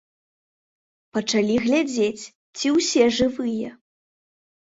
Пачалі глядзець, ці ўсе жывыя.